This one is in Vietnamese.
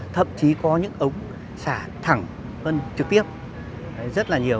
thậm chí có những ống xả thẳng hơn trực tiếp rất là nhiều